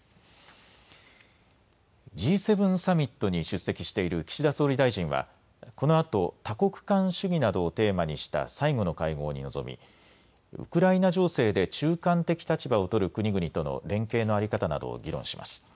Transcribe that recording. Ｇ７サミットに出席している岸田総理大臣はこのあと多国間主義などをテーマにした最後の会合に臨みウクライナ情勢で中間的立場を取る国々との連携の在り方などを議論します。